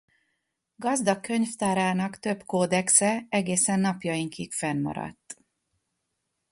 Gazdag könyvtárának több kódexe egészen napjainkig fennmaradt.